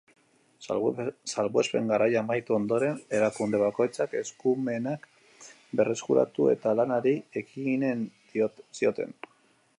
Salbuespen garaia amaitu ondoren, erakunde bakoitzak eskumenak berreskuratu eta lanari ekiten zioten.